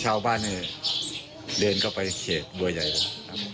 ชาวบ้านเดินเข้าไปเขตบัวใหญ่นะ